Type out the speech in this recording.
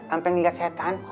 sampai ngeliat setan